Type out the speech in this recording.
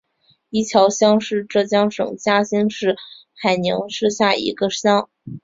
伊桥乡是浙江省嘉兴市海宁市下的一个乡。